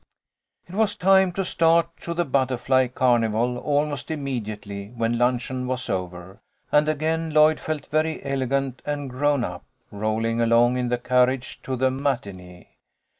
It was time to start to the Butterfly Carnival almost immediately when luncheon was over, and again Lloyd felt very elegant and grown up rolling along in the carriage to the matinee.